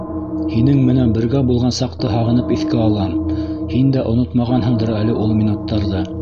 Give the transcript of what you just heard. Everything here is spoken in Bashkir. Һинең менән бергә булған саҡты һағынып иҫкә алам. һин дә онотмағанһыңдыр әле ул минуттарҙы.